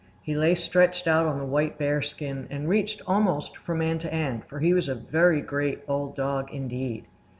He lay stretched out on the white bear skin, and reached almost from end to end, for he was a very great old dog indeed.